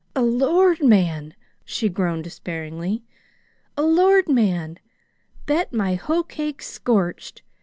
"A Lord man!" she groaned despairingly. "A Lord man! Bet my hoecake's scorched!